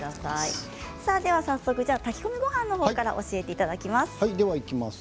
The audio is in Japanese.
早速、炊き込みごはんのほうから教えていただきます。